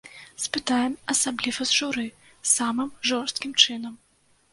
Спытаем, асабліва з журы, самым жорсткім чынам.